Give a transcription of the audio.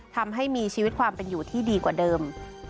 ทำให้มีชีวิตความเป็นอยู่ที่ดีกว่าเดิม